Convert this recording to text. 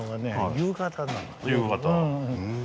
夕方。